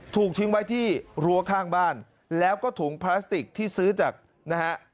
ถูกทิ้งไว้ที่รั้วข้างบ้านแล้วก็ถุงพลาสติกที่ซื้อจากนะฮะ